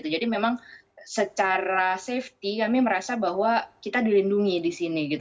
jadi memang secara safety kami merasa bahwa kita dilindungi di sini